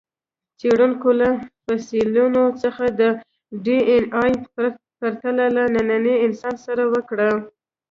څېړونکو له فسیلونو څخه د ډياېناې پرتله له ننني انسان سره وکړه.